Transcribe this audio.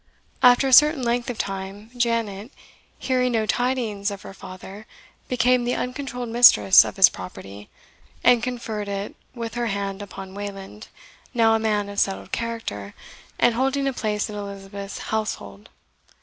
After a certain length of time, Janet, hearing no tidings of her father, became the uncontrolled mistress of his property, and conferred it with her hand upon Wayland, now a man of settled character, and holding a place in Elizabeth's household.